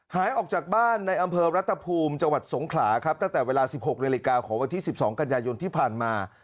หายออกจากบ้านในอำเภอรัฐภูมิจังหวัดสงขลาครับตั้งแต่เวลา๑๖นาฬิกาของวันที่๑๒กันยายนที่ผ่านมา